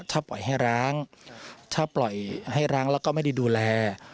ถ้าปล่อยให้ร้างถ้าปล่อยให้ร้างแล้วก็ไม่ได้ดูแล